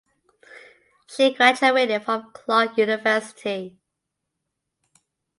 She graduated from Clark University.